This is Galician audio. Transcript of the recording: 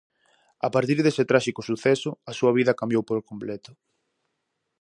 A partir dese tráxico suceso, a súa vida cambiou por completo.